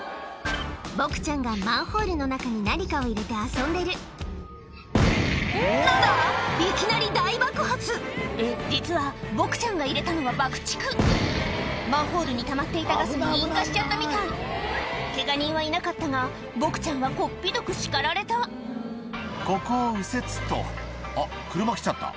ボクちゃんがマンホールの中に何かを入れて遊んでる何だ⁉いきなり大爆発実はボクちゃんが入れたのは爆竹マンホールにたまっていたガスに引火しちゃったみたいケガ人はいなかったがボクちゃんはこっぴどく叱られた「ここを右折っとあっ車来ちゃった」